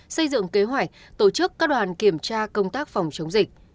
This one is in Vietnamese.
xây dựng kế hoạch tổ chức các đoàn kiểm tra công tác phòng chống dịch